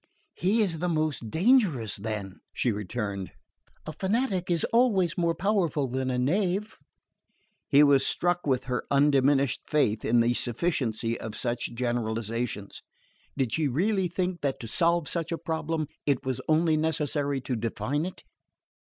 "He is the most dangerous, then," she returned. "A fanatic is always more powerful than a knave." He was struck with her undiminished faith in the sufficiency of such generalisations. Did she really think that to solve such a problem it was only necessary to define it?